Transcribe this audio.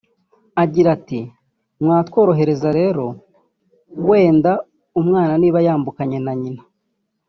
Agira ati “Mwatworohereza rero wenda umwana niba yambukanye na nyina